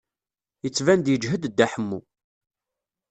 Yettban-d yeǧhed Dda Ḥemmu.